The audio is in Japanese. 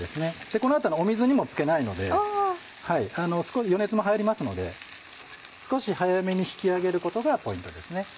この後水にもつけないので少し余熱も入りますので少し早めに引き上げることがポイントですね。